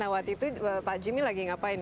nah waktu itu pak jimmy lagi ngapain